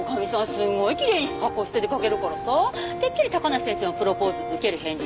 すんごいきれいな格好して出かけるからさてっきり高梨先生のプロポーズ受ける返事しに来たのかな。